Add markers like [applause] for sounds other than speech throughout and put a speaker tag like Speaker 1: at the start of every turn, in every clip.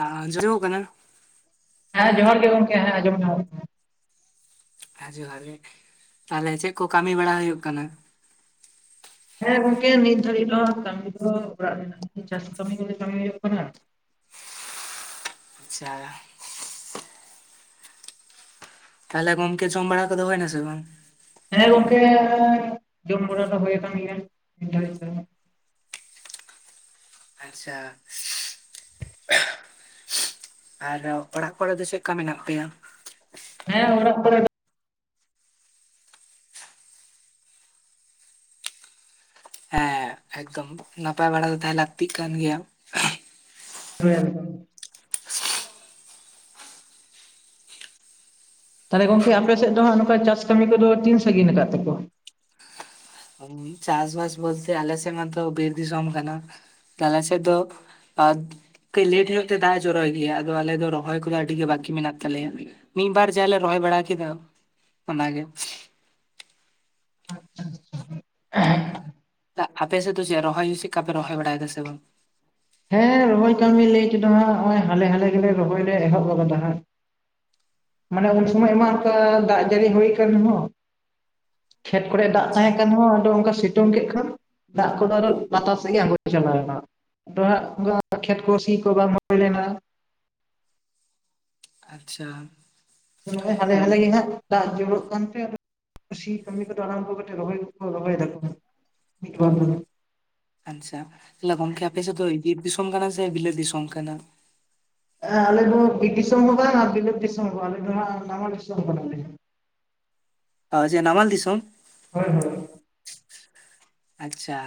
Speaker 1: ᱟ ᱟᱸᱡᱚᱢ ᱧᱟᱢᱚᱜ ᱠᱟᱱᱟ?
Speaker 2: ᱦᱮᱸ ᱡᱚᱦᱟᱨ ᱜᱮ ᱜᱚᱢᱠᱮ ᱦᱮᱸ ᱟᱸᱡᱚᱢ ᱧᱟᱢᱚᱜ ᱠᱟᱱᱟ᱾
Speaker 1: ᱦᱮᱸ ᱡᱚᱦᱟᱨ ᱜᱮ, ᱛᱟᱦᱚᱞᱮ ᱪᱮᱫ ᱠᱚ ᱠᱟᱹᱢᱤ ᱵᱟᱲᱟ ᱦᱩᱭᱩᱜ ᱠᱟᱱᱟ?
Speaker 2: ᱦᱮᱸ ᱜᱚᱝᱠᱮ ᱱᱤᱛ ᱫᱷᱟᱹᱨᱤᱡ ᱫᱚ ᱦᱟᱸᱜ ᱠᱟᱹᱢᱤ ᱫᱚ ᱚᱲᱟᱜ ᱨᱮᱱᱟᱜ ᱜᱮ ᱪᱟᱥ ᱠᱟᱹᱢᱤ ᱜᱮ ᱠᱟᱹᱢᱤ ᱦᱩᱭᱩᱜ ᱠᱟᱱᱟ᱾
Speaker 1: ᱟᱪᱪᱷᱟ᱾ ᱛᱟᱦᱚᱞᱮ ᱜᱚᱢᱠᱮ ᱡᱚᱢ ᱵᱟᱲᱟ ᱠᱚᱫᱚ ᱦᱳᱭᱱᱟ ᱥᱮ ᱵᱟᱝ?
Speaker 2: ᱦᱮᱸ ᱜᱚᱝᱠᱮᱻ ᱡᱚᱢ ᱵᱟᱲᱟ ᱫᱚ ᱦᱩᱭ ᱟᱠᱟᱱ ᱜᱮᱭᱟ ᱱᱤᱛ ᱫᱷᱟᱵᱤᱡ ᱫᱚ᱾
Speaker 1: ᱟᱪᱪᱷᱟ ᱮᱜ᱾ ᱟᱨ ᱚᱲᱟᱜ ᱠᱚᱨᱮ ᱫᱚ ᱪᱮᱫ ᱞᱮᱠᱟ ᱢᱮᱱᱟᱜ ᱯᱮᱭᱟ?
Speaker 2: ᱦᱮᱸ ᱚᱲᱟᱜ ᱠᱚᱨᱮ ᱫᱚ
Speaker 1: ᱦᱮᱸ ᱮᱠᱫᱚᱢ ᱱᱟᱯᱟᱭ ᱵᱟᱲᱟ ᱫᱚ ᱛᱟᱦᱮᱸ ᱞᱟᱹᱠᱛᱤᱜ ᱠᱟᱱ ᱜᱮᱭᱟ᱾
Speaker 2: [unintelligible] ᱛᱟᱦᱚᱞᱮ ᱜᱚᱝᱠᱮ ᱟᱯᱮ ᱥᱮᱫ ᱫᱚ ᱷᱟᱸᱜ ᱱᱚᱝᱠᱟ ᱪᱟᱥ ᱠᱟᱹᱢᱤ ᱠᱚᱫᱚ ᱛᱤᱱ ᱥᱟᱺᱜᱤᱱ ᱠᱟᱜ ᱛᱮᱠᱚ?
Speaker 1: ᱪᱟᱥᱼᱵᱟᱥ ᱵᱚᱞᱛᱮ ᱟᱞᱮ ᱥᱮᱫ ᱢᱟᱛᱚ ᱵᱤᱨ ᱫᱤᱥᱚᱢ ᱠᱟᱱᱟ, ᱛᱳ ᱟᱞᱮ ᱥᱮᱫ ᱫᱚ ᱟᱨ ᱠᱟᱹᱡ ᱞᱮᱴ ᱧᱚᱜ ᱛᱮ ᱫᱟᱜ ᱡᱚᱨᱚᱭ ᱜᱮᱭᱟ, ᱟᱫᱚ ᱟᱞᱮ ᱫᱚ ᱨᱚᱦᱚᱭ ᱠᱚᱫᱚ ᱟᱹᱰᱤ ᱜᱮ ᱵᱟᱠᱤ ᱢᱮᱱᱟᱜ ᱛᱟᱞᱮᱭᱟ᱾ ᱢᱤᱛ ᱵᱟᱨ ᱡᱟᱞᱮ ᱨᱚᱦᱚᱭ ᱵᱟᱲᱟ ᱠᱮᱫᱟ ᱚᱱᱟᱜᱮ᱾ ᱟᱯᱮ ᱥᱮᱫ ᱫᱚ ᱪᱮᱫ ᱨᱚᱦᱚᱭ ᱦᱩᱭᱩᱜ ᱪᱤᱠᱟᱯᱮ ᱨᱚᱦᱚᱭ ᱵᱟᱲᱟᱭ ᱫᱟ ᱥᱮ ᱵᱟᱝ?
Speaker 2: ᱦᱮᱸ ᱨᱚᱦᱚᱭ ᱠᱟᱹᱢᱤ ᱞᱟᱹᱭ ᱛᱮᱫᱚ ᱦᱟᱸᱜ ᱱᱚᱜᱚᱭ ᱦᱟᱞᱮ ᱦᱟᱞᱮ ᱜᱮᱞᱮ ᱨᱚᱦᱚᱭ ᱞᱮ ᱮᱦᱚᱵ ᱟᱠᱟᱫᱟ ᱦᱟᱸᱜ᱾ ᱢᱟᱱᱮ ᱩᱱ ᱥᱚᱢᱚᱭ ᱢᱟ ᱚᱱᱠᱟ ᱫᱟᱜ ᱡᱟᱹᱲᱤ ᱦᱩᱭ ᱠᱟᱱ ᱨᱮᱦᱚᱸ ᱠᱷᱮᱛ ᱠᱚᱨᱮ ᱫᱟᱜ
Speaker 1: ᱟᱪᱪᱷᱟ
Speaker 2: ᱛᱟᱦᱮᱸ ᱠᱟᱱ ᱦᱚᱸ ᱚᱱᱰᱮ ᱚᱱᱠᱟ ᱥᱤᱛ ᱛᱩᱝ ᱠᱮᱫ ᱠᱷᱟᱱ ᱫᱟᱜ ᱠᱚᱫᱚ ᱟᱨᱚ ᱞᱟᱛᱟᱨ ᱥᱮᱫ ᱜᱮ ᱟᱸᱲᱜᱳ ᱪᱟᱞᱟᱣ ᱮᱱᱟ᱾ ᱟᱫᱚ ᱦᱟᱸᱜ [unintelligible] ᱠᱷᱮᱛ ᱠᱚ ᱥᱤ ᱠᱚ ᱵᱟᱝ ᱦᱩᱭ ᱞᱮᱱᱟ᱾
Speaker 1: ᱟᱪᱪᱷᱟ᱾
Speaker 2: ᱱᱚᱜᱼᱚᱭ ᱦᱟᱞᱮ
Speaker 1: ᱟᱪᱪᱷᱟ
Speaker 2: ᱦᱟᱞ ᱜᱮ ᱦᱟᱸᱜ ᱫᱟᱜ ᱡᱚᱨᱚᱜ ᱠᱟᱱᱛᱮ ᱟᱫ ᱥᱤ ᱠᱟᱹᱢᱤ ᱠᱚᱫᱚ ᱟᱨᱟᱢᱷᱵᱚ ᱠᱟᱛᱮ ᱨᱚᱦᱚᱭ ᱠᱚᱠᱚ ᱨᱚᱦᱚᱭ ᱫᱟᱠᱚ᱾ [unintelligible]
Speaker 1: ᱟᱪᱪᱷᱟ ᱛᱟᱞᱦᱮ ᱜᱚᱝᱠᱮ ᱟᱯᱮᱥᱮᱫ ᱫᱚ ᱵᱤᱨ ᱫᱤᱥᱚᱢ ᱠᱟᱱᱟ ᱥᱮ ᱵᱤᱞᱟᱹᱫ ᱫᱤᱥᱚᱢ ᱠᱟᱱᱟ?
Speaker 2: ᱦᱮᱸ ᱟᱞᱮ ᱫᱚ ᱵᱤᱨ ᱫᱤᱥᱚᱢ ᱦᱚᱸ ᱵᱟᱝ ᱟᱨ ᱵᱤᱞᱟᱹᱛ ᱫᱤᱥᱚᱢ ᱦᱚᱸ ᱵᱟᱝ, ᱟᱞᱮ ᱫᱚ ᱦᱟᱸᱜ ᱱᱟᱢᱟᱞ ᱫᱤᱥᱚᱢ ᱠᱟᱱᱟᱞᱮ᱾
Speaker 1: ᱡᱮ ᱱᱟᱢᱟᱞ ᱫᱤᱥᱚᱢ!
Speaker 2: ᱦᱳᱭ ᱦᱳᱭ᱾
Speaker 1: ᱟᱪᱪᱷᱟ᱾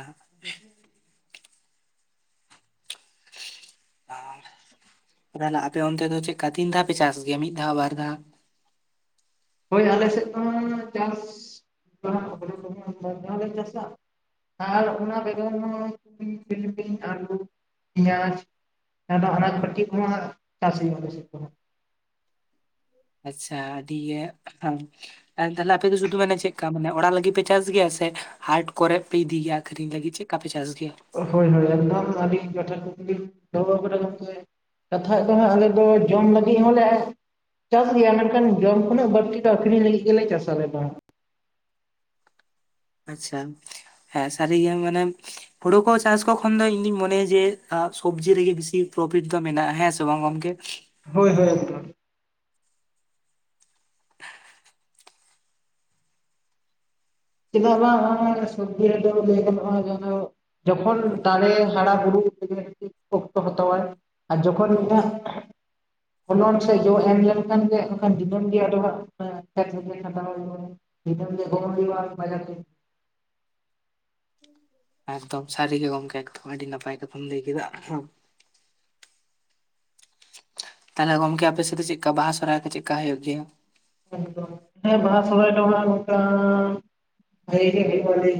Speaker 1: ᱟᱜ ᱛᱟᱞᱦᱮ ᱟᱯᱮ ᱚᱱᱛᱮ ᱫᱚ ᱪᱮᱫᱠᱟ ᱛᱤᱱ ᱫᱷᱟᱣ ᱯᱮ ᱪᱟᱥ ᱜᱤᱭᱟ ᱢᱤᱫ ᱫᱷᱟᱣ ᱵᱟᱨ ᱫᱷᱟᱣ?
Speaker 2: ᱦᱳᱭ ᱟᱞᱮ ᱥᱮᱫ ᱢᱟ ᱪᱟᱥᱫᱚ ᱵᱟᱨ ᱫᱷᱟᱣ ᱞᱮ ᱪᱟᱥᱟ᱾ ᱟᱨ ᱚᱱᱟ ᱵᱮᱜᱚᱨ ᱦᱚᱸ [unintelligible] ᱟᱹᱞᱩ, ᱯᱮᱸᱭᱟᱡᱽ ᱟᱫᱚ ᱚᱱᱟ ᱟᱱᱟᱪ ᱯᱟᱛᱤ ᱠᱚᱦᱚᱸ ᱪᱟᱥ ᱦᱩᱭᱩᱜᱼᱟ ᱟᱞᱮᱥᱮᱫ ᱫᱚ ᱾
Speaker 1: ᱟᱪᱪᱷᱟ ᱟᱹᱰᱤ ᱜᱮ- ᱟᱫ ᱛᱟᱦᱞᱮ ᱟᱯᱮ ᱫᱚ ᱥᱩᱫᱩ ᱢᱟᱱᱮ ᱪᱮᱫᱠᱟ ᱢᱟᱱᱮ ᱳᱲᱟᱜ ᱞᱟᱜᱤᱫ ᱯᱮ ᱪᱟᱥ ᱜᱮᱭᱟ ᱥᱮ ᱦᱟᱴ ᱠᱚᱨᱮ ᱯᱮ ᱤᱫᱤ ᱜᱮᱭᱟ ᱟᱠᱷᱨᱤᱧ ᱞᱟᱹᱜᱤᱫ ᱪᱮᱫ- ᱠᱟᱯᱮ ᱪᱟᱥ ᱜᱮᱭᱟ?
Speaker 2: ᱦᱳᱭ ᱦᱳᱭ ᱮᱠᱫᱚᱢ ᱟᱹᱰᱤ ᱡᱚᱛᱷᱟᱛ ᱠᱩᱠᱞᱤ ᱵᱤᱱ ᱫᱚᱷᱚ ᱠᱟᱫᱟ ᱜᱚᱝᱠᱮ᱾ ᱠᱟᱛᱷᱟᱡ ᱫᱚ ᱦᱟᱸᱜ ᱟᱞᱮ ᱫᱚ ᱡᱚᱢ ᱞᱟᱹᱜᱤᱫ ᱦᱚᱸᱞᱮ ᱪᱟᱥ ᱜᱮᱭᱟ ᱢᱮᱱᱠᱷᱟᱱ ᱡᱚᱢ ᱠᱷᱚᱱᱟᱜ ᱵᱟᱹᱲᱛᱤ ᱫᱚ ᱟᱹᱷᱨᱤᱧ ᱞᱟᱹᱜᱤᱫ ᱜᱮᱞᱮ ᱪᱟᱥ ᱟᱞᱮ ᱫᱚ᱾
Speaker 1: ᱟᱪᱪᱷᱟ, ᱦᱮᱸ ᱥᱟᱹᱨᱤ ᱜᱮ ᱢᱟᱱᱮ ᱦᱩᱲᱳ ᱠᱚ ᱪᱟᱥ ᱠᱚ ᱠᱷᱚᱱ ᱫᱚ ᱤᱧ ᱫᱩᱧ ᱢᱚᱱᱮᱭᱟ ᱡᱮ ᱥᱚᱵᱡᱤ ᱨᱮᱜᱮ ᱵᱮᱥᱤ ᱯᱨᱚᱯᱷᱤᱴ ᱫᱚ ᱢᱮᱱᱟᱜᱼᱟ ᱦᱮᱸ ᱥᱮ ᱵᱟᱝ ᱜᱚᱝᱠᱮ?
Speaker 2: ᱦᱳᱭ ᱦᱳᱭ᱾ ᱪᱮᱫᱟᱜ ᱵᱟᱝ [unintelligible] ᱥᱚᱵᱡᱤ ᱨᱮᱫ ᱞᱟᱹᱭ ᱜᱟᱱᱚᱜᱼᱟ ᱡᱟᱸᱦᱟ ᱫᱚ ᱡᱚᱠᱦᱚᱱ ᱫᱟᱲᱮ ᱦᱟᱲᱟ ᱵᱩᱨᱩ ᱚᱠᱛᱚ ᱦᱟᱛᱟᱣ ᱟᱭ᱾ ᱟᱨ ᱡᱚᱠᱷᱚᱱ ᱩᱱ ᱫᱚ ᱦᱟᱸᱜ, ᱯᱷᱳᱞᱳᱱ ᱥᱮ ᱡᱚᱲ ᱮᱢ ᱞᱮᱱᱠᱷᱟᱱ ᱜᱮ ᱟᱫᱳ ᱫᱤᱱᱟ. ᱢ ᱜᱮ ᱟᱫ ᱦᱟᱸᱜ ᱠᱷᱮᱛ ᱨᱮ ᱠᱷᱟᱴᱟᱣ ᱦᱩᱭᱩᱜᱼᱟ᱾ ᱫᱤᱱᱟᱹᱢ ᱜᱮ ᱜᱚᱜ ᱦᱩᱭᱩᱜᱼᱟ ᱵᱟᱡᱟᱨ ᱛᱮ᱾
Speaker 1: ᱮᱠᱫᱚᱢ ᱥᱟᱹᱨᱤ ᱜᱮ ᱜᱚᱝᱠᱮ ᱟᱹᱰᱤ ᱱᱟᱯᱟᱭ ᱠᱟᱛᱷᱟᱢ ᱞᱟᱹᱭ ᱠᱮᱫᱟ᱾ ᱛᱟᱦᱞᱮ ᱜᱚᱝᱠᱮ ᱟᱯᱮ ᱥᱮᱫ ᱫᱚ ᱪᱮᱫᱠᱟ ᱵᱟᱦᱟ ᱥᱚᱨᱦᱟᱭ ᱠᱚ ᱪᱮᱫᱠᱟ ᱦᱩᱭᱩᱜ ᱜᱮᱭᱟ?
Speaker 2: ᱦᱮᱸ ᱵᱟᱦᱟ ᱥᱚᱨᱦᱟᱭ ᱫᱚ ᱱᱚᱜ ᱱᱚᱱᱠᱟ ᱵᱷᱟᱜᱮ ᱜᱮ ᱦᱩᱭᱩᱜᱼᱟ ᱞᱟ. ᱭ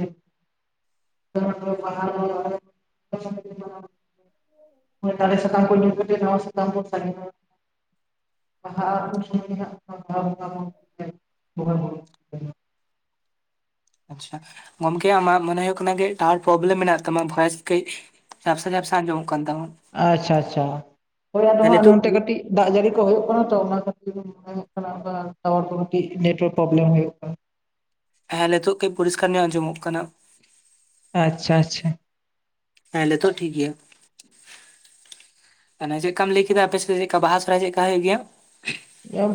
Speaker 2: [unintelligible] ᱫᱟᱨᱮ ᱥᱟᱠᱟᱢ ᱠᱚ ᱧᱩᱨ ᱠᱟᱛᱮᱫ ᱱᱟᱣᱟ ᱥᱟᱠᱟᱢ ᱠᱚ ᱥᱟᱜᱮᱱ ᱚᱜᱼᱟ᱾ ᱵᱟᱦᱟ [unintelligible] ᱵᱟᱦᱟ ᱵᱚᱸᱜᱟ
Speaker 1: ᱟᱪᱪᱷᱟ, ᱜᱚᱢᱠᱮ ᱟᱢᱟᱜ ᱢᱚᱱᱮ ᱦᱩᱭᱩᱜ ᱠᱟᱱᱟ ᱠᱟᱹᱡ ᱴᱟᱣᱟᱨ ᱯᱨᱚᱵᱞᱮᱢ ᱢᱮᱱᱟᱜ ᱛᱟᱢᱟ ᱵᱷᱚᱭᱮᱥ ᱠᱟᱹᱡ ᱡᱷᱟᱯᱥᱟ ᱡᱷᱟᱯᱥᱟ ᱟᱸᱡᱚᱢᱚᱜ ᱠᱟᱱ ᱛᱟᱢᱟ᱾
Speaker 2: ᱟᱪᱪᱷᱟ ᱟᱪᱷᱟ, ᱦᱳᱭ ᱟᱫᱚ
Speaker 1: ᱦᱮᱸ
Speaker 2: ᱦᱟᱸᱜ
Speaker 1: ᱱᱤᱛᱚᱜ
Speaker 2: ᱱᱚᱱᱛᱮ ᱠᱟᱹᱴᱤᱡ ᱫᱟᱜ ᱡᱟᱹᱲᱤ ᱠᱚ ᱦᱩᱭᱩᱜ ᱠᱟᱱᱟ ᱛᱚ ᱚᱱᱟ ᱠᱷᱟᱹᱛᱤᱨ ᱢᱚᱱᱮ ᱦᱳᱭᱳᱜ ᱠᱟᱱᱟ ᱚᱝᱠᱟ ᱴᱟᱣᱟᱨ ᱠᱚ ᱠᱟᱹᱴᱤᱡ ᱱᱮᱴᱣᱟᱨᱠ ᱯᱨᱵᱽᱞᱮᱢ ᱦᱩᱭᱩᱜ ᱠᱟᱱᱟ᱾
Speaker 1: ᱦᱮᱸ ᱱᱤᱛᱳᱜ ᱠᱟᱹᱡ ᱯᱚᱨᱤᱥᱠᱟᱨ ᱧᱚᱜ ᱟᱸᱡᱚᱢᱚᱜ ᱠᱟᱱᱟ᱾
Speaker 2: ᱟᱪᱪᱷᱟ ᱟᱪᱪᱷᱟ
Speaker 1: ᱦᱮᱸ ᱞᱮᱛᱳᱜ ᱴᱷᱤᱠ ᱜᱮᱭᱟ᱾ ᱟᱱᱮ ᱪᱮᱠᱠᱟᱢ ᱞᱟᱹᱭ ᱠᱮᱫᱟ ᱟᱯᱮ ᱥᱮᱫ ᱪᱮᱜᱠᱟ ᱵᱟᱦᱟ ᱥᱚᱨᱦᱟᱭ ᱪᱮᱜᱠᱟ ᱦᱩᱭᱩᱜ ᱜᱮᱭᱟ?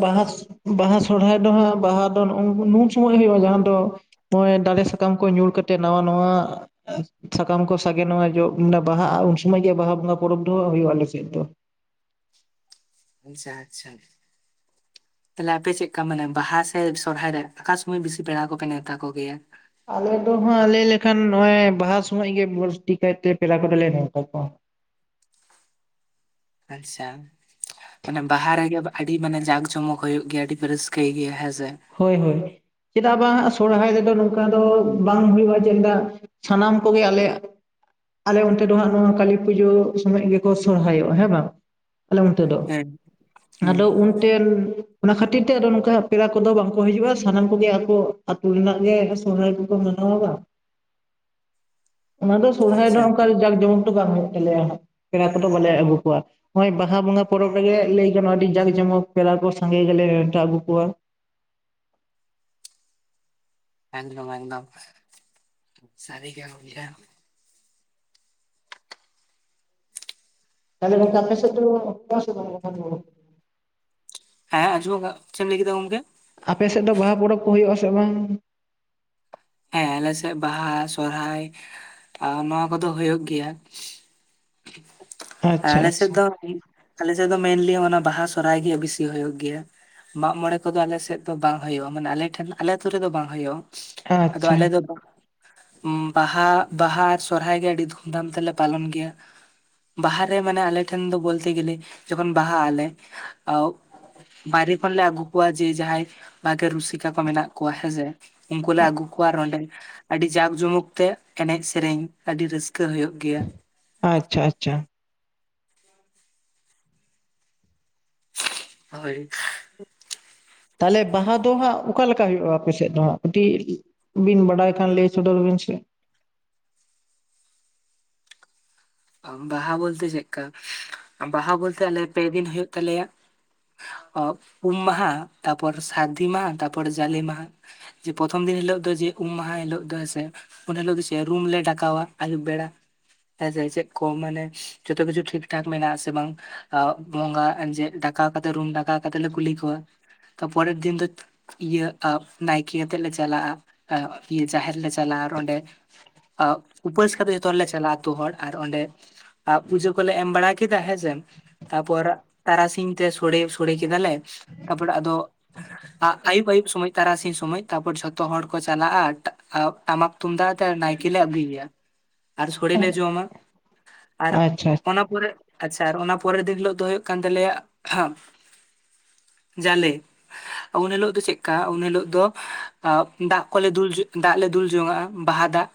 Speaker 2: ᱵᱟᱦᱟᱥ, ᱵᱟᱦᱟ ᱥᱚᱲᱦᱟᱭ ᱰᱚ ᱦᱟᱸᱜ ᱵᱟᱦᱟ ᱫᱚ ᱱᱩᱱ ᱥᱚᱢᱚᱭ ᱦᱩᱭᱩᱜ-ᱟ ᱡᱟᱦᱟᱸ ᱫᱚ ᱱᱚᱜ-ᱚᱭ ᱰᱟᱞᱮ ᱥᱟᱠᱟᱢ ᱠᱚ ᱧᱩᱨ ᱠᱟᱛᱮᱜ ᱱᱟᱣᱟ ᱱᱟᱶᱟ ᱥᱟᱠᱟᱢ ᱠᱚ ᱥᱟᱜᱮᱱᱚᱜ-ᱟ ᱡᱚᱜ ᱢᱟᱱᱮ ᱵᱟᱦᱟᱜ-ᱟ ᱩᱱ ᱥᱩᱢᱟᱹᱭ ᱜᱮ ᱵᱟᱦᱟ ᱵᱚᱸᱜᱟ ᱯᱚᱨᱚᱵᱽ ᱰᱚ ᱦᱟᱸᱜ ᱦᱩᱭᱩᱜ-ᱟ ᱟᱞᱮ ᱥᱮᱫ ᱰᱚ᱾
Speaker 1: ᱟᱪᱪᱷᱟ ᱟᱪᱪᱷᱟ᱾ ᱛᱟᱦᱞᱮ ᱟᱯᱮ ᱪᱮᱜᱠᱟ ᱢᱟᱱᱮ ᱵᱟᱦᱟ ᱥᱮ ᱥᱚᱨᱦᱟᱭ ᱨᱮ ᱟᱠᱟ ᱥᱩᱢᱟᱹᱭ ᱵᱮᱥᱤ ᱯᱮᱲᱟ ᱠᱚᱯᱮ ᱱᱮᱣᱛᱟ ᱠᱚᱜᱮᱭᱟ?
Speaker 2: ᱟᱞᱮ ᱫᱚ ᱦᱟᱸᱜ ᱞᱮᱭ ᱞᱮᱠᱷᱟᱱ ᱱᱚᱜ-ᱚᱭ ᱵᱟᱦᱟ ᱥᱩᱢᱚᱡ ᱜᱮ ᱵᱟᱹᱲᱛᱤ ᱠᱟᱭᱛᱮ ᱯᱮᱲᱟ ᱠᱚᱫᱚ ᱞᱮ ᱱᱮᱣᱛᱟ ᱠᱚᱣᱟ᱾
Speaker 1: ᱟᱪᱪᱷᱟ ᱢᱟᱱᱮ ᱵᱟᱦᱟ ᱨᱮᱜᱮ ᱟᱹᱰᱤ ᱢᱟᱱᱮ ᱡᱟᱸᱠ ᱡᱚᱢᱚᱠ ᱦᱩᱭᱩᱜ ᱜᱮᱭᱟ ᱟᱹᱰᱤ ᱯᱮ ᱨᱟᱹᱥᱠᱟᱹᱭ ᱜᱮᱭᱟ ᱦᱮᱸᱥᱮ?
Speaker 2: ᱦᱳᱭ ᱦᱳᱭ, ᱪᱮᱫᱟᱜ ᱵᱟᱝ ᱦᱟᱸᱜ ᱥᱚᱨᱦᱟᱭ ᱨᱮᱫᱚ ᱱᱚᱝᱠᱟ ᱫᱚ ᱵᱟᱝ ᱦᱩᱭᱩᱜ-ᱟ ᱪᱮᱫᱟᱜ ᱥᱟᱱᱟᱢ ᱠᱚᱜᱮ ᱟᱞᱮᱭᱟᱜ ᱟᱞᱮ ᱚᱱᱛᱮ ᱰᱚ ᱦᱟᱸᱜ ᱱᱚᱣᱟ ᱠᱟᱹᱞᱤ ᱯᱩᱡᱟᱹ ᱥᱚᱢᱚᱭ ᱜᱮᱠᱚ ᱥᱚᱨᱦᱟᱭᱚᱜ-ᱟ ᱦᱮᱸ ᱵᱟᱝ ᱟᱞᱮ ᱚᱱᱛᱮ ᱫᱚ,
Speaker 1: ᱦᱮᱸ ᱦᱩᱸ
Speaker 2: ᱟᱫᱚ ᱩᱱᱴᱮᱱ ᱚᱱᱟ ᱠᱷᱟᱹᱴᱤᱨ ᱛᱮ ᱟᱫᱚ ᱱᱚᱝᱠᱟ ᱦᱟᱸᱜ ᱯᱮᱲᱟ ᱠᱚ ᱠᱚᱫᱚ ᱵᱟᱝᱠᱚ ᱦᱤᱡᱩᱜ-ᱟ, ᱥᱟᱱᱟᱢ ᱠᱚ ᱜᱮ ᱟᱛᱩ ᱨᱮᱱᱟᱜ ᱜᱮ ᱥᱚᱨᱦᱟᱭ ᱠᱚᱠᱚ ᱢᱟᱱᱟᱣᱟ ᱵᱟᱝ᱾
Speaker 1: [inaudible]
Speaker 2: ᱚᱱᱟ ᱫᱚ ᱥᱚᱲᱦᱟᱭ ᱰᱚ
Speaker 1: ᱟᱪᱪᱷᱟ
Speaker 2: ᱚᱱᱠᱟ
Speaker 1: ᱮᱠᱫᱚᱢ
Speaker 2: ᱡᱟᱸᱠ ᱡᱚᱢᱚᱠ ᱫᱚ ᱵᱟᱝ ᱦᱩᱭᱩᱜ ᱛᱟᱞᱮᱭᱟ ᱦᱟᱸᱜ, ᱯᱮᱲᱟ ᱠᱚᱫᱚ ᱵᱟᱞᱮ ᱟᱹᱜᱩ ᱠᱚᱣᱟ᱾ ᱱᱚᱜ-ᱚᱭ ᱵᱟᱦᱟ ᱵᱚᱸᱜᱟ ᱯᱚᱨᱚᱵᱽ ᱨᱮᱜᱮ ᱞᱟᱹᱭ ᱜᱟᱱᱚᱜ-ᱟ ᱟᱹᱰᱤ ᱡᱟᱸᱠ ᱡᱚᱢᱚᱠ ᱯᱮᱲᱟ ᱠᱚ ᱥᱟᱸᱜᱮ ᱜᱮᱞᱮ ᱱᱮᱣᱴᱟ ᱟᱹᱜᱩ ᱠᱚᱣᱟ᱾
Speaker 1: ᱮᱠᱫᱚᱢ ᱮᱠᱫᱚᱢ ᱥᱟᱹᱨᱤ ᱜᱮ ᱜᱮᱭᱟ ᱵᱳᱭᱦᱟ
Speaker 2: ᱛᱟᱦᱚᱞᱮ ᱚᱝᱠᱟ ᱟᱯᱮ ᱥᱮᱫ ᱴᱚ [unintelligible]
Speaker 1: ᱦᱮᱸ ᱟᱸᱡᱚᱢᱜ ᱠᱟ, ᱪᱮ ᱮᱢ ᱞᱟᱹᱭ ᱠᱮᱫᱟ ᱜᱚᱝᱠᱮ?
Speaker 2: ᱟᱯᱮ ᱥᱮᱫ ᱫᱚ ᱵᱟᱦᱟ ᱯᱚᱨᱚᱵᱽ ᱠᱚ ᱦᱩᱭᱩᱜ-ᱟ ᱥᱮ ᱵᱟᱝ?
Speaker 1: ᱦᱮᱸ ᱟᱞᱮ ᱥᱮᱫ ᱵᱟᱦᱟ ᱥᱚᱨᱦᱟᱭ, ᱟ ᱱᱚᱣᱟ ᱠᱚᱫᱚ ᱦᱳᱭᱳᱜ ᱜᱮᱭᱟ᱾ ᱮᱸ
Speaker 2: ᱟᱪᱪᱷᱟ
Speaker 1: ᱟᱞᱮ ᱥᱮᱫ
Speaker 2: ᱟᱪᱪᱷᱟ
Speaker 1: ᱫᱚ ᱟᱞᱮ ᱥᱮᱫ ᱫᱚ ᱢᱮᱱᱞᱤ ᱚᱱᱟ ᱵᱟᱦᱟ ᱥᱚᱨᱦᱟᱭ ᱜᱮ ᱵᱤᱥᱤ ᱦᱳᱭᱳᱜ ᱜᱮᱭᱟ᱾ ᱢᱟᱜ-ᱢᱚᱬᱮ ᱠᱚᱫᱚ ᱟᱞᱮ ᱥᱮᱫ ᱫᱚ ᱵᱟᱝ ᱦᱩᱭᱩᱜ-ᱟ ᱢᱟᱱᱮ ᱟᱞᱮ ᱴᱷᱮᱱ ᱟᱞᱮ ᱟᱹᱛᱩ ᱨᱮᱫᱚ ᱵᱟᱝ ᱦᱩᱭᱩᱜ-ᱟ᱾ ᱟᱫᱚ
Speaker 2: ᱟᱪᱪᱷᱟ
Speaker 1: ᱟᱞᱮ ᱫᱚ ᱵᱟᱦᱟ ᱵᱟᱦᱟ ᱟᱨ ᱥᱚᱨᱦᱟᱭ ᱜᱮ ᱟᱹᱰᱤ ᱫᱷᱩᱢᱫᱷᱟᱢ ᱛᱮᱞᱮ ᱯᱟᱞᱚᱱ ᱜᱮᱭᱟ᱾ ᱵᱟᱦᱟ ᱨᱮ ᱢᱟᱱᱮ ᱟᱞᱮ ᱴᱷᱮᱱ ᱫᱚ ᱵᱳᱞᱛᱮ ᱜᱮᱞᱮ ᱡᱚᱠᱷᱚᱱ ᱵᱟᱦᱟᱜ ᱟᱞᱮ ᱳ ᱵᱟᱭᱨᱮ ᱠᱷᱚᱱᱞᱮ ᱟᱹᱜᱩ ᱠᱚᱣᱟ ᱡᱮ ᱡᱟᱦᱟᱸᱭ ᱵᱷᱟᱜᱮ ᱨᱩᱥᱤᱠᱟ ᱠᱚ ᱢᱮᱱᱟᱜ ᱠᱚᱣᱟ ᱦᱮᱸ ᱥᱮ ᱩᱱᱠᱩ ᱞᱮ ᱟᱹᱜᱩ ᱠᱚᱣᱟ ᱟᱨ ᱚᱸᱰᱮ ᱟᱹᱰᱤ ᱡᱟᱠ ᱡᱚᱢᱚᱠ ᱛᱮ ᱮᱱᱮᱡ ᱥᱮᱨᱮᱧ ᱟᱹᱰᱤ ᱨᱟᱹᱥᱠᱟᱹ ᱦᱳᱭᱳᱜ ᱜᱮᱭᱟ᱾
Speaker 2: ᱟᱪᱪᱷᱟ ᱟᱪᱪᱷᱟ᱾
Speaker 1: ᱦᱳᱭ᱾
Speaker 2: ᱛᱟᱦᱞᱮ ᱵᱟᱦᱟ ᱫᱚ ᱦᱟᱸᱜ ᱚᱠᱟ ᱞᱮᱠᱟ ᱦᱩᱭᱩᱜ-ᱟ ᱟᱯᱮ ᱥᱮᱫ ᱫᱚ ᱦᱟᱸᱜ ᱠᱟᱹᱴᱤᱜ ᱵᱤᱱ ᱵᱟᱰᱟᱭ ᱠᱷᱟᱱ ᱞᱮᱭ ᱥᱚᱫᱚᱨ ᱵᱤᱱ ᱥᱮ?
Speaker 1: ᱵᱟᱦᱟ ᱵᱳᱞᱛᱮ ᱪᱮᱠᱠᱟ, ᱵᱟᱦᱟ ᱵᱳᱞᱛᱮ ᱟᱞᱮ ᱯᱮ ᱫᱤᱱ ᱦᱳᱭᱳᱜ ᱛᱟᱞᱮᱭᱟ᱾ ᱚᱵ ᱩᱢ ᱢᱟᱦᱟ ᱛᱟᱯᱚᱨ ᱥᱟᱹᱨᱫᱤ ᱢᱟᱦᱟ ᱛᱟᱯᱚᱨ ᱡᱟᱞᱮ ᱢᱟᱦᱟ, ᱡᱮ ᱯᱚᱛᱷᱚᱢ ᱫᱤᱱ ᱦᱤᱞᱳᱜ ᱫᱚ ᱡᱮ ᱩᱢ ᱢᱟᱦᱟ ᱦᱤᱞᱳᱜ ᱫᱚ ᱦᱮᱸ ᱥᱮ ᱩᱱ ᱦᱤᱞᱳᱜ ᱜᱤ ᱪᱮ ᱨᱩᱢ ᱞᱮ ᱰᱟᱠᱟᱣᱟ ᱟᱹᱭᱩᱵ ᱵᱮᱲᱟ ᱦᱮᱸᱥᱮ ᱪᱮᱫ ᱠᱚ ᱢᱟᱱᱮ ᱡᱷᱚᱛᱚ ᱠᱤᱪᱷᱩ ᱴᱷᱤᱠ-ᱴᱷᱟᱠ ᱢᱮᱱᱟᱜ ᱟᱥᱮ ᱵᱟᱝ᱾ ᱵᱚᱸᱜᱟ [unintelligible] ᱰᱟᱠᱟᱣ ᱠᱟᱛᱮ ᱨᱩᱢ ᱰᱟᱠᱟ ᱠᱟᱛᱮ ᱞᱮ ᱠᱩᱞᱤ ᱠᱚᱣᱟ ᱛᱟᱨᱯᱚᱨᱮᱨ ᱫᱤᱱ ᱫᱚ ᱤᱭᱟᱹ ᱮ ᱱᱟᱭᱠᱮ ᱟᱛᱮᱜ ᱞᱮ ᱪᱟᱞᱟᱜᱼᱟ, ᱤᱭᱟᱹ ᱡᱟᱦᱮᱨ ᱞᱮ ᱪᱟᱞᱟᱜᱼᱟ, ᱟᱨ ᱚᱸᱰᱮ ᱩᱯᱟᱹᱥ ᱠᱟᱛᱮ ᱡᱷᱚᱛᱚ ᱦᱚᱲᱞᱮ ᱪᱟᱞᱟᱜᱼᱟ, ᱟᱹᱛᱳ ᱦᱚᱲ ᱟᱨ ᱚᱸᱰᱮ ᱟᱜ ᱯᱩᱡᱟᱹ ᱠᱚᱞᱮ ᱮᱢ ᱵᱟᱲᱟ ᱠᱮᱫᱟ ᱦᱮᱸᱥᱮ᱾ ᱛᱟᱯᱚᱨ ᱛᱟᱨᱟᱥᱤᱧ ᱛᱮ ᱥᱚᱲᱮ ᱥᱚᱲᱮ ᱠᱮᱫᱟᱞᱮ ᱛᱟᱯᱚᱲ ᱟᱫᱚ ᱟᱭᱩᱵ ᱟᱭᱩᱵ ᱥᱚᱢᱚᱭ ᱛᱟᱨᱟᱥᱤᱧ ᱥᱚᱢᱚᱭ ᱛᱟᱯᱚᱨ ᱡᱷᱚᱛᱚ ᱦᱚᱲ ᱠᱚ ᱪᱟᱞᱟᱜᱼᱟ᱾ ᱴᱟᱢᱟᱠ ᱛᱩᱢᱫᱟᱜ ᱟᱛᱮ ᱱᱟᱭᱠᱮ ᱞᱮ ᱟᱹᱜᱩᱭᱮᱭᱟ, ᱟᱨ ᱥᱚᱲᱮ ᱞᱮ ᱡᱚᱢᱟ᱾ ᱟᱨ
Speaker 2: ᱟᱪᱪᱷᱟ
Speaker 1: ᱚᱱᱟ
Speaker 2: ᱟᱪᱪᱷᱟ
Speaker 1: ᱯᱚᱨᱮ ᱟᱪᱪᱷᱟ ᱚᱱᱟ ᱯᱚᱨᱮᱨ ᱫᱤᱱ ᱦᱤᱞᱳᱜ ᱫᱚ ᱦᱩᱭᱩᱜ ᱠᱟᱱ ᱛᱟᱞᱮᱭᱟ ᱡᱟᱞᱮ᱾ ᱩᱱ ᱦᱤᱞᱳᱜ ᱫᱚ ᱪᱮᱫᱠᱟ ᱩᱱ ᱦᱤᱞᱳᱜ ᱫᱚ ᱫᱟᱜ ᱠᱚᱞᱮ ᱫᱩᱞ ᱡᱚᱝ ᱫᱟᱜ ᱞᱮ ᱫᱩᱞ ᱡᱚᱝᱟᱜ-ᱟ, ᱵᱟᱦᱟ ᱫᱟᱜ᱾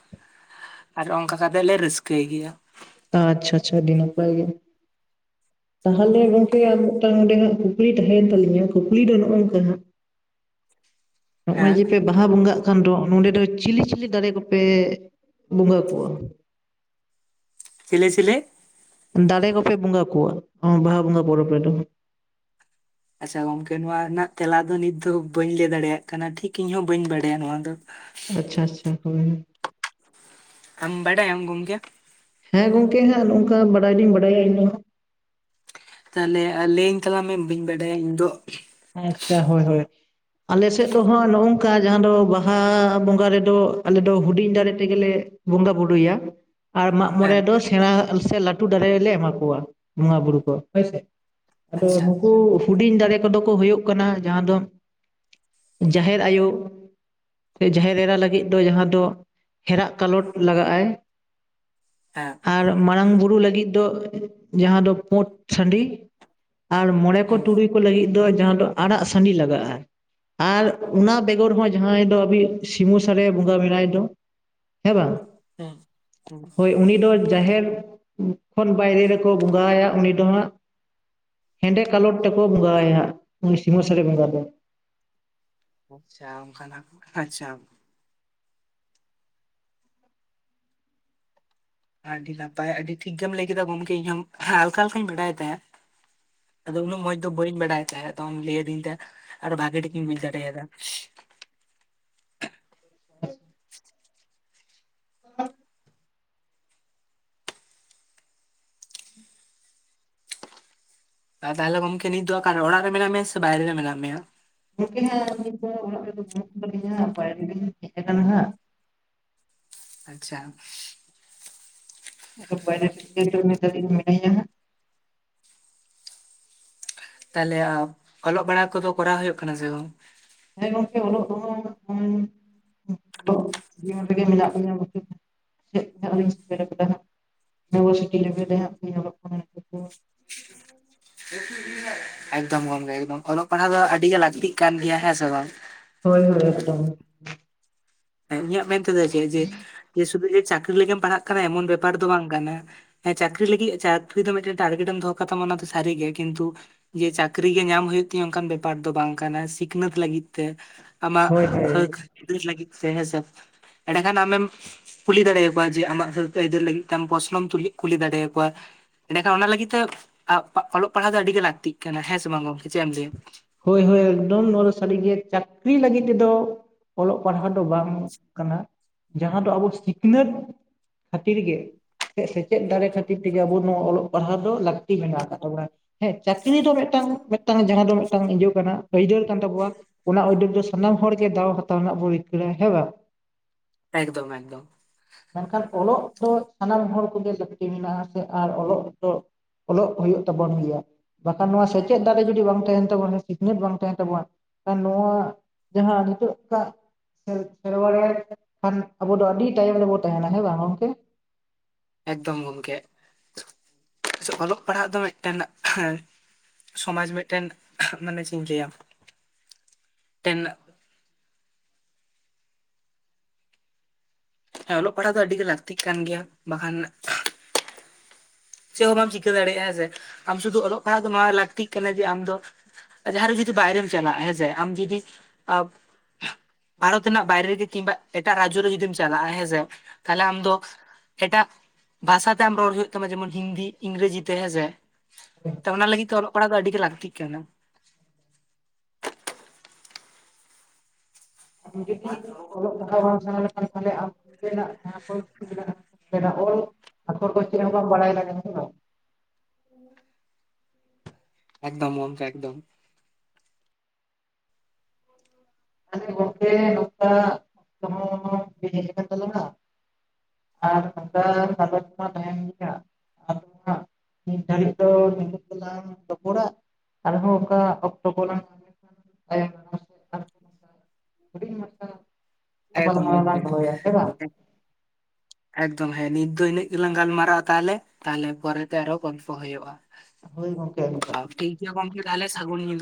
Speaker 1: ᱟᱨ ᱚᱱᱠᱟ ᱠᱟᱛᱮ ᱞᱮ ᱨᱟᱹᱥᱠᱟᱹᱭ ᱜᱮᱭᱟ᱾
Speaker 2: ᱟᱪᱪᱷᱟ ᱟᱪᱪᱷᱟ ᱟᱹᱰᱤ ᱱᱟᱯᱟᱭ ᱜᱮ᱾ ᱛᱟᱦᱚᱞᱮ ᱜᱚᱝᱠᱮ ᱟᱨ ᱢᱤᱫᱴᱟᱝ ᱚᱸᱰᱮ ᱦᱟᱸᱜ ᱠᱩᱠᱞᱤ ᱛᱟᱸᱦᱮᱭᱮᱱ ᱛᱟᱞᱤᱧᱟ ᱠᱩᱠᱞᱤ ᱫᱚ ᱱᱚᱜᱼᱚ ᱱᱚᱝᱠᱟ ᱦᱟᱸᱜ
Speaker 1: [inaudible]
Speaker 2: ᱦᱚᱸᱜᱼᱚᱭ ᱡᱮ ᱯᱮ ᱵᱟᱦᱟ ᱵᱚᱸᱜᱟᱜ ᱠᱟᱱ ᱫᱚ ᱱᱚᱰᱮ ᱫᱚ ᱪᱤᱞᱤ ᱪᱤᱞᱤ ᱫᱟᱬᱮ ᱠᱚᱯᱮ ᱵᱚᱸᱜᱟ ᱠᱚᱣᱟ?
Speaker 1: ᱪᱮᱞᱮ ᱪᱮᱞᱮ?
Speaker 2: ᱫᱟᱬᱮ ᱠᱚᱯᱮ ᱵᱚᱸᱜᱟ ᱠᱚᱣᱟ ᱵᱟᱦᱟ ᱵᱚᱸᱜᱟ ᱯᱚᱨᱚᱵᱽ ᱨᱮᱫᱚ᱾
Speaker 1: ᱟᱪᱪᱷᱟ ᱜᱚᱝᱠᱮ ᱱᱚᱣᱟ ᱨᱮᱱᱟᱜ ᱛᱮᱞᱟ ᱫᱚ ᱱᱤᱛ ᱫᱚ ᱵᱟᱹᱧ ᱞᱟᱹᱭ ᱫᱟᱲᱮᱭᱟᱜ ᱠᱟᱱᱟ, ᱴᱷᱤᱠ ᱤᱧ ᱦᱚᱸ ᱵᱟᱹᱧ ᱵᱟᱲᱟᱭᱟ ᱱᱚᱣᱟ ᱫᱚ᱾
Speaker 2: ᱟᱪᱪᱷᱟ ᱟᱪᱪᱷᱟ, ᱦᱳᱭ᱾
Speaker 1: ᱟᱢ ᱵᱟᱲᱟᱭᱟᱢ ᱜᱚᱢᱠᱮ?
Speaker 2: ᱦᱮᱸ ᱜᱚᱝᱠᱮ ᱦᱟᱸᱜ ᱱᱚᱜᱼᱚ ᱱᱚᱝᱠᱟ ᱵᱟᱰᱟᱭ ᱫᱩᱧ ᱵᱟᱰᱟᱭᱟ ᱤᱧ ᱦᱚᱸ᱾
Speaker 1: ᱛᱟᱦᱚᱞᱮ ᱞᱟᱹᱭᱟᱹᱧ ᱛᱟᱞᱟᱝ ᱢᱮ ᱵᱟᱹᱧ ᱵᱟᱰᱟᱭᱟ ᱤᱧ ᱫᱚ᱾
Speaker 2: ᱟᱪᱪᱷᱟ, ᱦᱳᱭ ᱦᱳᱭ᱾ ᱟᱞᱮ ᱥᱮᱫ ᱫᱚ ᱦᱟᱸᱜ ᱱᱚᱜᱼᱚ ᱱᱚᱝᱠᱟ ᱡᱟᱦᱟᱸ ᱫᱚ ᱵᱟᱦᱟ ᱵᱚᱸᱜᱟ ᱨᱮᱫᱚ ᱟᱞᱮ ᱫᱚ ᱦᱩᱰᱤᱧ ᱫᱟᱬᱮ ᱛᱮᱜᱮᱞᱮ ᱵᱩᱸᱜᱟ ᱵᱩᱨᱩᱭᱟ᱾ ᱟᱨ ᱢᱟᱜ ᱢᱚᱬᱮ
Speaker 1: ᱦᱮᱸ
Speaker 2: ᱫᱚ ᱥᱮᱬᱟ ᱥᱮ ᱞᱟᱹᱴᱩ ᱫᱟᱬᱮ ᱞᱮ ᱮᱢᱟ ᱠᱚᱣᱟ ᱵᱚᱸᱜᱟ ᱵᱩᱨᱩ ᱠᱚ ᱦᱳᱭᱥᱮ᱾ ᱟᱫᱚ
Speaker 1: ᱟᱪᱪᱷᱟ
Speaker 2: ᱱᱩᱠᱩ ᱦᱩᱰᱤᱧ ᱫᱟᱬᱮ ᱠᱚᱫᱚ ᱠᱚ ᱦᱩᱭᱩᱜ ᱠᱟᱱᱟ ᱡᱟᱦᱟᱸ ᱫᱚ ᱡᱟᱦᱮᱨ ᱟᱭᱳ᱾ ᱥᱮ ᱡᱟᱦᱮᱨ ᱮᱨᱟ ᱞᱟᱹᱜᱤᱫ ᱫᱚ ᱡᱟᱦᱟᱸ ᱫᱚ ᱦᱮᱲᱟᱜ ᱠᱟᱞᱚᱴ ᱞᱟᱜᱟᱜᱼᱟᱭ᱾
Speaker 1: ᱦᱮᱸ᱾
Speaker 2: ᱟᱨ ᱢᱟᱨᱟᱝ ᱵᱩᱨᱩ ᱞᱟᱹᱜᱤᱫ ᱫᱚ ᱡᱟᱦᱟᱸ ᱫᱚ ᱯᱩᱸᱰ ᱥᱟᱺᱰᱤ᱾ ᱟᱨ ᱢᱚᱬᱮ ᱠᱚ
Speaker 1: ᱦᱩᱸ
Speaker 2: ᱛᱩᱲᱩᱭ ᱠᱚ ᱞᱟᱹᱜᱤᱫ ᱫᱚ ᱡᱟᱦᱟᱸ ᱫᱚ ᱟᱲᱟᱜ ᱥᱟᱺᱰᱤ ᱞᱟᱜᱟᱜᱼᱟᱭ᱾ ᱟᱨ ᱚᱱᱟ ᱵᱮᱜᱚᱨ ᱦᱚᱸ ᱡᱟᱦᱟᱸᱭ ᱫᱚ ᱟᱵᱚᱭᱤᱡ ᱥᱤᱢᱟᱹ ᱥᱟᱬᱮ ᱵᱚᱸᱜᱟ ᱢᱮᱱᱟᱭ ᱫᱚ᱾ ᱦᱮᱸ ᱵᱟᱝ,
Speaker 1: ᱦᱩᱸ ᱦᱩᱸ
Speaker 2: ᱦᱳᱭ ᱩᱱᱤ ᱫᱚ ᱡᱟᱦᱮᱨ ᱠᱷᱚᱱ ᱵᱟᱭᱨᱮ ᱨᱮᱠᱚ ᱵᱚᱸᱜᱟ ᱟᱭᱟ ᱩᱱᱤ ᱫᱚ ᱦᱟᱸᱜ, ᱦᱮᱸᱰᱮ ᱠᱟᱞᱚᱴ ᱛᱮᱠᱚ ᱵᱚᱸᱜᱟ ᱟᱭᱟ ᱦᱟᱸᱜ᱾ ᱩᱱᱤ ᱥᱤᱢᱟᱹ ᱥᱟᱬᱮ ᱵᱚᱸᱜᱟ ᱫᱚ᱾
Speaker 1: ᱟᱪᱪᱷᱟ, ᱚᱱᱠᱟᱱᱟᱜ ᱟᱪᱪᱷᱟ᱾ ᱟᱹᱰᱤ ᱱᱟᱯᱟᱭ ᱟᱹᱰᱤ ᱴᱷᱤᱠ ᱜᱮᱢ ᱞᱟᱹᱭ ᱠᱮᱫᱟ ᱜᱚᱝᱠᱮ, ᱤᱧ ᱦᱚᱸ ᱦᱟᱞᱠᱟ ᱦᱟᱞᱠᱟᱧ ᱵᱟᱰᱟᱭ ᱛᱟᱸᱦᱮᱫ᱾ ᱟᱫᱚ ᱩᱱᱟᱹᱜ ᱢᱚᱸᱡᱽ ᱫᱚ ᱵᱟᱹᱧ ᱵᱟᱲᱟᱭ ᱛᱟᱦᱮᱸᱫ ᱟᱫᱚᱢ ᱞᱟᱹᱭ ᱟᱹᱫᱤᱧ ᱛᱮ, ᱟᱨ ᱵᱷᱟᱜᱮ ᱴᱷᱤᱠᱤᱧ ᱵᱩᱡᱽ ᱫᱟᱲᱮᱭᱟᱫᱟ᱾
Speaker 2: [inaudible]
Speaker 1: ᱟᱨ ᱛᱟᱦᱚᱞᱮ ᱜᱚᱢᱠᱮ ᱱᱤᱛ ᱫᱚ ᱚᱠᱟᱨᱮ ᱚᱲᱟᱜ ᱨᱮ ᱢᱮᱱᱟᱜ ᱢᱮᱭᱟ ᱥᱮ ᱵᱟᱭᱨᱮ ᱨᱮ ᱢᱮᱱᱟᱜ ᱢᱮᱭᱟ?
Speaker 2: ᱜᱚᱢᱠᱮ ᱦᱟᱸᱜ ᱱᱤᱛ ᱫᱚ ᱚᱲᱟᱜ ᱨᱮᱫᱚ [unintelligible] ᱵᱟᱱᱩᱜ ᱟᱠᱟᱫᱤᱧᱟ ᱦᱟᱸᱜ, ᱵᱟᱭᱨᱮ ᱨᱤᱧ ᱦᱮᱡ ᱟᱠᱟᱱᱟ ᱦᱟᱸᱜ᱾
Speaker 1: ᱟᱪᱪᱷᱟ᱾
Speaker 2: ᱵᱟᱭᱨᱮ ᱥᱮᱫ ᱨᱮᱜᱮ [unintelligible] ᱱᱤᱛ ᱫᱷᱟᱹᱵᱤᱡ ᱢᱤᱱᱟᱹᱧᱟ ᱦᱟᱸᱜ᱾
Speaker 1: ᱛᱟᱦᱟᱞᱮ, ᱚᱞᱚᱜ ᱵᱟᱲᱟ ᱠᱚᱫᱚ ᱠᱚᱨᱟᱣ ᱦᱩᱭᱩᱜ ᱠᱟᱱᱟ ᱥᱮ ᱵᱟᱝ?
Speaker 2: ᱦᱮᱸ ᱜᱚᱢᱠᱮ ᱚᱞᱚᱜ ᱫᱚ ᱦᱟᱸᱜ [inaudible] [inaudible] ᱢᱮᱱᱟᱜ ᱞᱤᱧᱟ ᱱᱮᱵᱟᱨᱥᱤᱴᱤ ᱨᱮᱜᱮ ᱞᱮ ᱦᱟᱸᱜ ᱤᱧ ᱚᱞᱚᱜ᱾
Speaker 1: [unintelligible] ᱮᱠᱫᱚᱢ ᱜᱚᱝᱠᱮ ᱮᱠᱫᱚᱢ ᱚᱞᱚᱜ ᱯᱟᱲᱦᱟᱣ ᱫᱚ ᱟᱹᱰᱤ ᱜᱮ ᱞᱟᱠᱛᱤᱜ ᱠᱟᱱ ᱜᱮᱭᱟ ᱦᱮᱸ ᱥᱮ ᱵᱟᱝ᱾
Speaker 2: ᱦᱳᱭ ᱦᱳᱭ ᱮᱠᱫᱚᱢ᱾
Speaker 1: ᱮᱸ ᱤᱧᱟᱹᱜ ᱢᱮᱱ ᱛᱮ ᱫᱚ ᱪᱮᱜ ᱡᱮ, ᱥᱩᱫᱷᱩ ᱡᱮ ᱪᱟᱠᱨᱤ ᱞᱟᱹᱜᱤᱜ ᱮᱢ ᱯᱟᱲᱦᱟᱜ ᱠᱟᱱᱟ ᱮᱢᱚᱱ ᱵᱮᱯᱟᱨ ᱫᱚ ᱵᱟᱝ ᱠᱟᱱᱟ᱾ ᱦᱮᱸ ᱪᱟᱠᱨᱤ ᱞᱟᱹᱜᱤᱜ ᱪᱟᱠᱨᱤ ᱫᱚ ᱢᱤᱫᱴᱮᱱ ᱴᱟᱨᱜᱮᱴ ᱮᱢ ᱫᱚᱦᱚᱸ ᱠᱟᱛᱟᱢᱟ ᱚᱱᱟ ᱫᱚ ᱥᱟᱹᱨᱤ ᱜᱮ ᱠᱤᱱᱛᱩ ᱡᱮ ᱪᱟᱠᱨᱤ ᱜᱮ ᱧᱟᱢ ᱦᱩᱭᱩᱜ ᱛᱤᱧᱟ ᱚᱝᱠᱟᱱ ᱵᱮᱯᱟᱨ ᱫᱚ ᱵᱟᱝ ᱠᱟᱱᱟ ᱥᱤᱠᱷᱱᱟᱹᱛ ᱞᱟᱹᱜᱤᱫ ᱛᱮ ᱟᱢᱟᱜ
Speaker 2: ᱦᱳᱭ ᱦᱳᱭ
Speaker 1: ᱦᱟᱹᱠ ᱟᱹᱫᱟᱹᱭ ᱞᱟᱹᱜᱤᱫ ᱛᱮ ᱦᱮᱸ ᱥᱮ ᱮᱸᱰᱮ ᱠᱷᱟᱱ ᱟᱢ ᱮᱢ ᱠᱩᱞᱤ ᱫᱟᱲᱮ ᱭᱟ ᱠᱚᱣᱟ ᱡᱮ ᱟᱢᱟᱜ ᱦᱟᱹᱠ ᱟᱹᱭᱫᱟᱹᱨ ᱞᱟᱹᱜᱤᱫ ᱛᱮᱢ ᱯᱚᱥᱱᱚᱢ ᱛᱩᱞᱤ ᱠᱩᱞᱤ ᱫᱟᱲᱮ ᱭᱟᱠᱚᱣᱟ᱾ ᱮᱸᱰᱮᱠᱷᱟᱱ ᱚᱱᱟ ᱞᱟᱹᱜᱤᱫ ᱛᱮ, ᱟᱸ ᱚᱞᱚᱜ ᱯᱟᱲᱦᱟᱶ ᱫᱚ ᱟᱹᱰᱤ ᱜᱮ ᱞᱟᱹᱠᱛᱤᱜ ᱠᱟᱱᱟ ᱦᱮᱸ ᱥᱮ ᱵᱟᱝ ᱜᱚᱝ ᱪᱮᱜ ᱮᱢ ᱞᱮᱭᱟ?
Speaker 2: ᱦᱳᱭ ᱦᱳᱭ ᱮᱠᱚᱫᱚᱢ ᱱᱚᱶᱟ ᱫᱚ ᱥᱟᱹᱨᱤᱜᱮ ᱪᱟᱹᱠᱨᱤ ᱞᱟᱹᱜᱤᱫ ᱛᱮᱫᱚ ᱚᱞᱚᱜ ᱯᱟᱲᱦᱟ ᱫᱚ ᱵᱟᱝ ᱠᱟᱱᱟ, ᱡᱟᱦᱟᱸ ᱫᱚ ᱟᱵᱚ ᱥᱤᱠᱱᱟᱹᱛ, ᱠᱷᱟᱹᱛᱤᱨ ᱜᱮ ᱪᱮᱜ ᱥᱮᱪᱮᱫ ᱫᱟᱨᱮ ᱠᱷᱟᱹᱛᱤᱨ ᱛᱮ ᱜᱮ ᱟᱵᱚ ᱱᱚᱣᱟ ᱚᱞᱚᱜ ᱯᱟᱲᱦᱟᱣᱟ ᱫᱚ ᱞᱟᱹᱠᱛᱤ ᱢᱮᱱᱟᱜ ᱠᱟᱜ ᱛᱟᱵᱚᱱᱟ᱾ ᱦᱮᱸ ᱪᱟᱹᱠᱨᱤ ᱫᱚ ᱢᱮᱜᱴᱟᱝ ᱢᱮᱜᱴᱟᱝ ᱡᱟᱦᱟᱸ ᱫᱚ ᱢᱮᱜᱴᱟᱝ ᱤᱭᱟᱹ ᱠᱟᱱᱟ ᱟᱹᱭᱫᱟᱹᱨ ᱠᱟᱱ ᱛᱟᱵᱩᱣᱟ᱾ ᱚᱱᱟ ᱩᱭᱰᱟᱠ ᱫᱚ ᱥᱟᱱᱟᱢ ᱦᱚᱲ ᱜᱮ ᱫᱟᱶ ᱦᱟᱛᱟᱶ ᱨᱮᱱᱟᱜ ᱵᱚᱱ ᱨᱤᱠᱟᱹᱲᱟ ᱦᱮᱸ ᱵᱟᱝ᱾
Speaker 1: ᱮᱠᱫᱚᱢ ᱮᱠᱫᱚᱢ᱾
Speaker 2: ᱢᱮᱱᱠᱷᱟᱱ ᱚᱞᱚᱜ ᱫᱚ ᱥᱟᱱᱟᱢ ᱦᱚᱲ ᱠᱚ ᱜᱮ ᱞᱟᱹᱠᱛᱤ ᱢᱮᱱᱟᱜ ᱟᱥᱮ ᱟᱨ ᱚᱞᱚᱜ ᱫᱚ ᱚᱞᱚᱜ ᱦᱳᱭᱳᱜ ᱛᱟᱵᱚᱱ ᱜᱮᱭᱟ, ᱵᱟᱠᱷᱟᱱ ᱱᱚᱣᱟ ᱥᱮᱪᱮᱫ ᱫᱟᱨᱮ ᱡᱩᱫᱤ ᱵᱟᱝ ᱛᱟᱦᱮᱱ ᱛᱟᱵᱚᱱᱟ ᱥᱤᱠᱱᱟᱹᱛ ᱵᱟᱝ ᱛᱟᱦᱮᱱ ᱛᱟᱵᱚᱱᱟ ᱱᱚᱣᱟ ᱡᱟᱦᱟᱸ ᱱᱤᱛᱚᱜ ᱛᱟᱜ ᱠᱷᱮᱨ ᱠᱷᱮᱨᱣᱟᱲᱮ ᱠᱷᱟᱱ ᱟᱵᱚ ᱫᱚ ᱟᱹᱰᱤ ᱛᱟᱭᱚᱢ ᱨᱮᱵᱚ ᱛᱟᱦᱮᱸᱱᱟ ᱦᱮᱸ ᱵᱟᱝ ᱜᱚᱝᱠᱮ᱾
Speaker 1: ᱮᱠᱫᱚᱢ ᱜᱚᱝᱠᱮ ᱥᱮ ᱚᱞᱚᱜ ᱯᱟᱲᱦᱟᱜ ᱫᱚ ᱢᱮᱜᱴᱮᱱ [unintelligible] ᱥᱚᱢᱟᱡᱽ ᱢᱮᱫᱴᱮᱱ ᱢᱟᱱᱮ ᱪᱮᱜ ᱤᱧ ᱞᱮᱭᱟ ᱴᱮᱱ ᱦᱮᱸ ᱚᱞᱚᱜ ᱯᱟᱲᱦᱟ ᱫᱚ ᱟᱹᱰᱤ ᱜᱮ ᱞᱟᱹᱠᱛᱤᱜ ᱠᱟᱱ ᱜᱮᱭᱟ ᱵᱟᱠᱷᱟᱱ ᱪᱮᱫ ᱦᱚᱸ ᱵᱟᱢ ᱪᱤᱠᱟᱹ ᱫᱟᱲᱮᱭᱟᱜ-ᱟ ᱦᱮᱸ ᱥᱮ ᱟᱢ ᱥᱩᱫᱩ ᱚᱞ ᱯᱟᱲᱦᱟᱜ ᱫᱚ ᱱᱚᱶᱟ ᱞᱟᱹᱠᱛᱤᱜ ᱠᱟᱱᱟ ᱡᱮ ᱟᱢ ᱫᱚ ᱡᱟᱦᱟᱸᱨᱮ ᱡᱩᱫᱤ ᱵᱟᱭᱨᱮᱢ ᱪᱟᱞᱟᱜ-ᱟ ᱦᱮᱸ ᱥᱮ ᱟᱢ ᱡᱩᱫᱤ ᱟᱵ ᱵᱷᱟᱨᱚᱛ ᱨᱮᱱᱟᱜ ᱵᱟᱭᱨᱮ ᱨᱮᱜᱮ ᱠᱤᱢᱵᱟ ᱮᱴᱟᱜ ᱨᱟᱡᱽᱡᱚ ᱨᱮ ᱡᱩᱫᱤᱢ ᱪᱟᱞᱟᱜ-ᱟ ᱦᱮᱸ ᱥᱮ ᱛᱟᱦᱟᱞᱮ ᱟᱢ ᱫᱚ ᱮᱴᱟᱜ, ᱵᱷᱟᱥᱟ ᱛᱮ ᱟᱢ ᱨᱚᱲ ᱦᱩᱭᱩᱜ ᱛᱟᱢᱟ ᱡᱮᱢᱚᱱ ᱦᱤᱱᱫᱤ ᱤᱝᱨᱟᱹᱡᱤ ᱛᱮ ᱦᱮᱸ ᱥᱮ, ᱛᱚ ᱚᱱᱟ ᱞᱟᱹᱜᱤᱫ ᱛᱮ ᱚᱞᱚᱜ ᱯᱟᱲᱦᱟᱜ ᱫᱚ ᱟᱹᱰᱤ ᱜᱮ ᱞᱟᱹᱠᱛᱤᱜ ᱠᱟᱱᱟ᱾
Speaker 2: [unintelligible] ᱚᱞᱚᱜ ᱯᱟᱲᱦᱟᱣ ᱵᱟᱢ ᱥᱟᱲᱟ ᱞᱮᱠᱷᱟᱱ ᱛᱟᱞᱦᱮ [unintelligible] ᱚᱞ ᱟᱠᱷᱚᱨ ᱠᱚ ᱪᱮᱜ ᱦᱚᱸ ᱵᱟᱢ ᱵᱟᱲᱟᱭ ᱵᱟᱝ
Speaker 1: [unintelligible] ᱮᱠᱫᱚᱢ ᱢᱚᱝᱠᱮ ᱮᱠᱫᱚᱢ᱾
Speaker 2: ᱛᱟᱞᱦᱮ ᱜᱚᱝᱠᱮ ᱱᱚᱝᱠᱟᱱ ᱚᱠᱛᱚ ᱦᱚᱸ ᱦᱮᱡ ᱦᱮᱡ ᱠᱟᱱ ᱛᱟᱞᱟᱝᱟ ᱟᱨ ᱱᱚᱝᱠᱟᱱ ᱥᱟᱸᱫᱮᱥ ᱢᱟ ᱛᱟᱦᱮᱱ ᱜᱮᱭᱟ᱾ ᱟᱫᱚ ᱦᱟᱸᱜ ᱢᱤᱫ ᱜᱷᱟᱲᱤᱡ ᱫᱚ ᱱᱤᱛᱚᱜ ᱫᱚ ᱞᱟᱝ ᱨᱚᱯᱚᱲᱟ᱾ [unintelligible] ᱟᱨ ᱦᱚᱸ ᱚᱝᱠᱟ ᱚᱠᱛᱚ ᱠᱚᱞᱟᱝ ᱛᱟᱭᱚᱢ ᱦᱩᱸᱰᱤᱧ ᱢᱟᱪᱷᱟ ᱜᱟᱯᱟᱞ
Speaker 1: ᱮᱠᱫᱚᱢ
Speaker 2: ᱢᱟᱨᱟ ᱞᱟᱝ
Speaker 1: ᱜᱚᱢᱠᱮ
Speaker 2: ᱫᱚᱦᱚᱭᱟ ᱥᱮ ᱵᱟᱝ᱾
Speaker 1: ᱮᱠᱫᱚᱢ ᱦᱮᱸ ᱱᱤᱛ ᱫᱚ ᱤᱱᱟᱹᱜ ᱜᱮ ᱞᱟᱝ ᱜᱟᱞᱢᱟᱨᱟᱜ-ᱟ ᱛᱟᱦᱟᱞᱮ, ᱛᱟᱦᱟᱞᱮ ᱯᱚᱨᱮ ᱛᱮ ᱟᱨᱚ ᱜᱚᱞᱯᱷᱚ ᱦᱳᱭᱳᱜ-ᱟ᱾
Speaker 2: ᱦᱳᱭ ᱜᱚᱝᱠᱮ ᱟᱹᱞᱤᱧ ᱦᱚᱸ᱾
Speaker 1: ᱤᱭᱟᱹ ᱜᱚᱝᱠᱮ ᱛᱟᱦᱚᱞᱮ ᱥᱟᱸᱜᱩᱱ ᱧᱤᱫᱟᱹ᱾